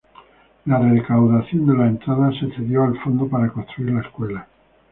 La recaudación de las entradas se cedió al fondo para construir la escuela.